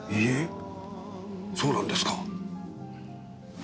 そうなんですか？